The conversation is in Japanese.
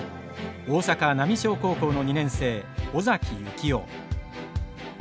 大阪・浪商高校の２年生尾崎行雄。